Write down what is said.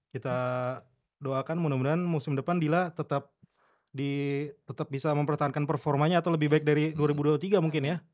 kita doakan mudah mudahan musim depan dila tetap bisa mempertahankan performanya atau lebih baik dari dua ribu dua puluh tiga mungkin ya